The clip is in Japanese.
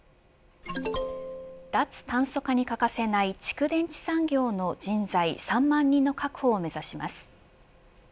脱炭素化に欠かせない蓄電池産業の人材３万人の確保を目指します。